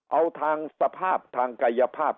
เอาทางสภาพทางกายภาพ